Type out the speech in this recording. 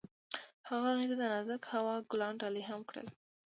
هغه هغې ته د نازک هوا ګلان ډالۍ هم کړل.